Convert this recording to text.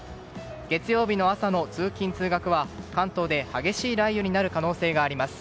月曜日の朝の通勤・通学は関東で激しい雷雨になる可能性があります。